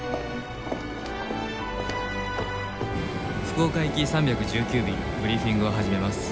福岡行き３１９便ブリーフィングを始めます。